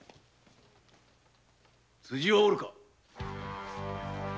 辻はおるか。